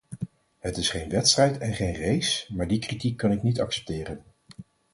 Het is geen wedstrijd en geen race, maar die kritiek kan ik niet accepteren.